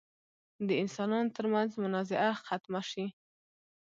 د انسانانو تر منځ منازعه ختمه شي.